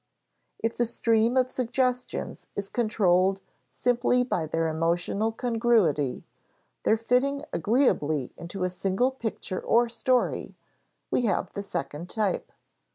If the stream of suggestions is controlled simply by their emotional congruity, their fitting agreeably into a single picture or story, we have the second type.